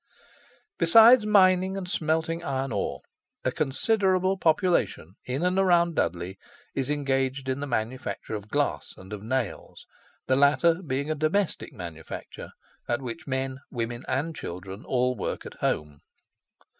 Besides mining and smelting iron ore, a considerable population in and around Dudley is engaged in the manufacture of glass and of nails; the latter being a domestic manufacture, at which men, women, and children all work at home.